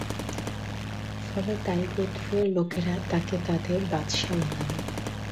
ফলে তাঈ গোত্রের লোকেরা তাকে তাদের বাদশাহ বানাল।